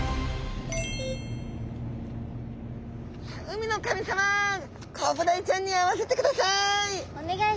海の神様コブダイちゃんに会わせてください！